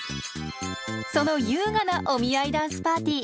その優雅なお見合いダンスパーティー。